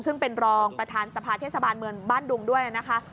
ซึ่งเป็นรองประธานสภาเทศบาลเมืองบ้านดุงด้วยนะคะ